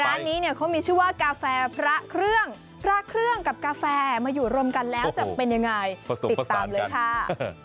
ร้านนี้เนี่ยเขามีชื่อว่ากาแฟพระเครื่องพระเครื่องกับกาแฟมาอยู่รวมกันแล้วจะเป็นยังไงติดตามเลยค่ะ